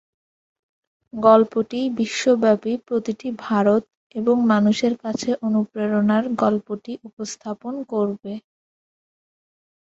গল্পটি বিশ্বব্যাপী প্রতিটি ভারত এবং মানুষের কাছে অনুপ্রেরণার গল্পটি উপস্থাপন করবে।